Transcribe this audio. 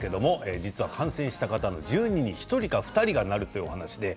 実は感染した方の１０人に１人か２人がなるというお話です。